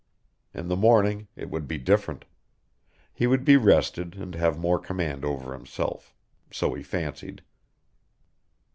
In the morning it would be different. He would be rested and have more command over himself, so he fancied.